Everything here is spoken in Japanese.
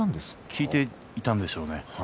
効いていたんでしょうね。